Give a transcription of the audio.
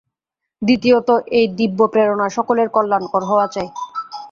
দ্বিতীয়ত এই দিব্যপ্রেরণা সকলের কল্যাণকর হওয়া চাই।